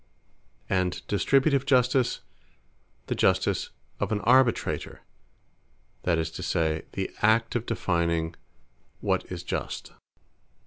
And Distributive Justice, the Justice of an Arbitrator; that is to say, the act of defining what is Just.